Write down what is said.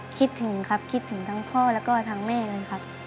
คิดถึงครับคิดถึงทั้งพ่อแล้วก็ทั้งแม่เลยครับ